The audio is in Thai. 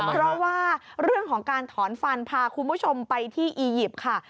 เพราะว่าเรื่องของการถอนฟันพาคุณผู้ชมไปที่อียิปต์ค่ะ